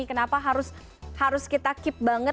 kenapa harus kita keep banget